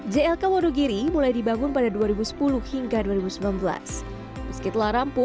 clk wonogiri mulai dibangun pada dua ribu dua belas